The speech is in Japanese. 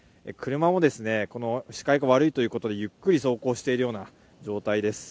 車も、視界が悪いということでゆっくり走行している状態です。